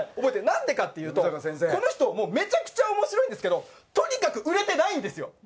なんでかっていうとこの人もうめちゃくちゃ面白いんですけどとにかく売れてないんですよ！